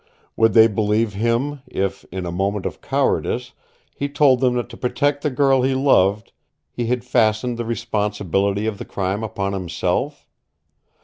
Would they believe him if, in a moment of cowardice, he told them that to protect the girl he loved he had fastened the responsibility of the crime upon himself?